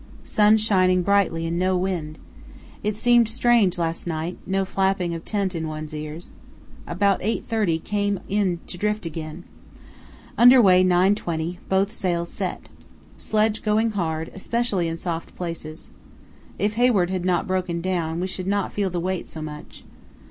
Sun shining brightly and no wind. It seemed strange last night, no flapping of tent in one's ears. About 8.30 came on to drift again. Under way 9.20, both sails set. Sledge going hard, especially in soft places. If Hayward had not broken down we should not feel the weight so much.